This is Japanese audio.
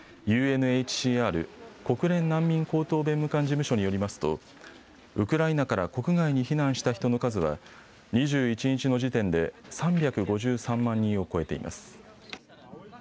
ＵＮＨＣＲ・国連難民高等弁務官事務所によりますとウクライナから国外に避難した人の数は２１日の時点で３５３万人を超えています。